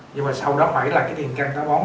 nhưng mà sau đó phải là cái thiền căn táo bón